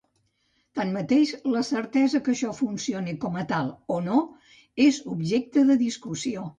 Tanmateix, la certesa que això funcioni com a tal o no és objecte de discussió.